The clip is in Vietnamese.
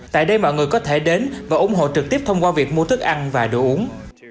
tại đây mọi người có thể đến và ủng hộ trực tiếp thông qua việc mua thức ăn và đồ uống